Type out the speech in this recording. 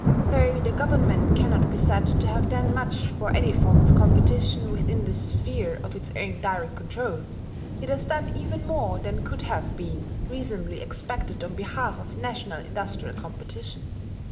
Though the Government cannot be said to have done much for any form of competition within the sphere of its own direct control, it has done even more than could have been reasonably expected on behalf of national industrial competition.